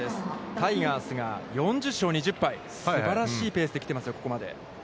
タイガースが４０勝２０敗、すばらしいペースで来てますよ、ここまで。